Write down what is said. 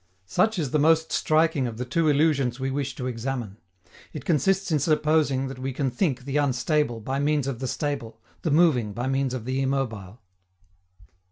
Such is the most striking of the two illusions we wish to examine. It consists in supposing that we can think the unstable by means of the stable, the moving by means of the immobile.